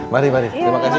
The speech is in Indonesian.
mari mari terima kasih